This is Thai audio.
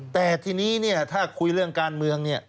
แต่ทีนี้ถ้าคุยเรื่องการเมือง